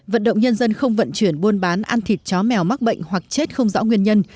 vận động nhân dân không vận chuyển buôn bán ăn thịt chó mèo mắc bệnh hoặc chết không rõ nguyên nhân